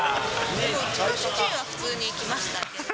うちの主人は、普通に行きましたけど。